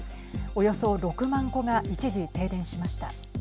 およそ６万戸が一時、停電しました。